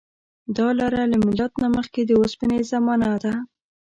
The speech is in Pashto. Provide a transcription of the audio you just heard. دا لاره له میلاد نه مخکې د اوسپنې زمانې ده.